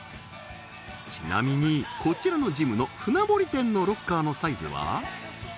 ちなみにこちらのジムの船堀店のロッカーのサイズは？